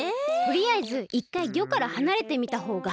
とりあえずいっかい「ギョ」からはなれてみたほうが。